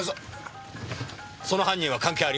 その犯人は関係ありません。